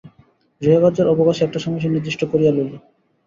গৃহকার্যের অবকাশে একটা সময় সে নির্দিষ্ট করিয়া লইল।